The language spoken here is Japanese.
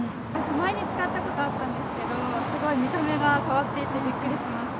前に使ったことあったんですけど、すごい見た目が変わっていて、びっくりしました。